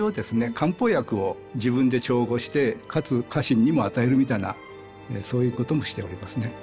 漢方薬を自分で調合してかつ家臣にも与えるみたいなそういうこともしておりますね。